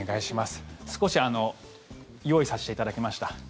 少し用意させていただきました。